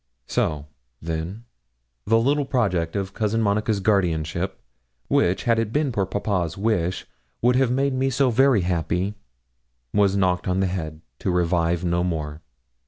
So, then, the little project of Cousin Monica's guardianship, which, had it been poor papa's wish, would have made me so very happy, was quite knocked on the head, to revive no more.